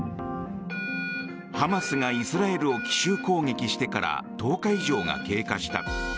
ハマスがイスラエルを奇襲攻撃してから１０日以上が経過した。